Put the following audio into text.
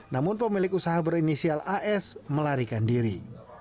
namun pemilik usaha berinisial as melarikan diri